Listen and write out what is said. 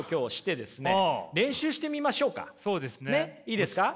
いいですか？